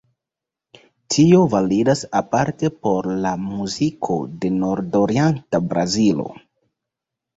Tio validas aparte por la muziko de nordorienta Brazilo.